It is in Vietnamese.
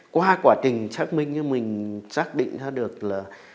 qua quá trình xác minh như mình xác định ra được là